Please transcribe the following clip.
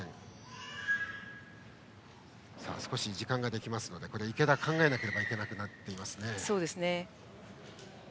少し時間ができるので池田、考えなければいけなくなっています。